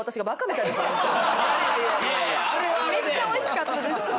めっちゃ美味しかったです